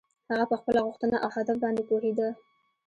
هغه په خپله غوښتنه او هدف باندې پوهېده.